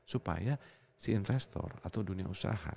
supaya si investor atau dunia usaha